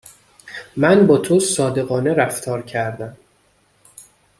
من با تو صادقانه رفتار کردم